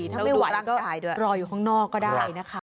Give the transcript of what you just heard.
ถ้าไม่ไหวรออยู่ข้างนอกก็ได้นะคะ